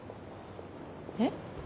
えっ？